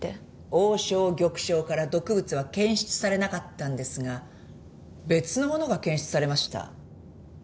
王将玉将から毒物は検出されなかったんですが別のものが検出されました。